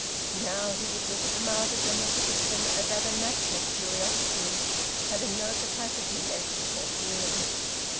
Now he would look at the martyrdom of the victim as at a natural curiosity, having no capacity left for feeling.